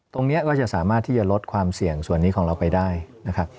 ตรงนี้ก็จะสามารถที่จะลดความเสี่ยงส่วนนี้ของเราไปได้นะครับ